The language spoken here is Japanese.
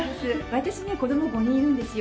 私ね子供５人いるんですよ。